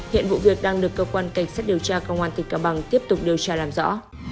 hiện vụ việc đang được cơ quan cảnh sát điều tra công an tỉnh cao bằng tiếp tục điều tra làm rõ